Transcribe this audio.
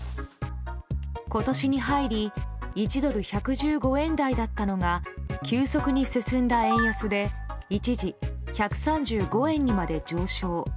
今年に入り１ドル＝１１５円台だったのが急速に進んだ円安で一時１３５円にまで上昇。